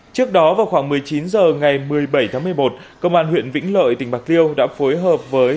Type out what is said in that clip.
trước đó vào khoảng một mươi chín h ngày một mươi bảy tháng một mươi một công an huyện vĩnh lợi tỉnh bạc liêu đã phối hợp với